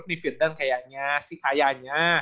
nih vinden kayaknya sih kayaknya